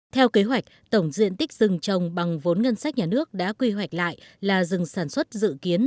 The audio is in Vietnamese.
theo kế hoạch tổng diện tích rừng trồng bằng vốn ngân sách nhà nước đã quy hoạch lại là rừng sản xuất dự kiến